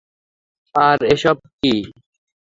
আর এসব কী?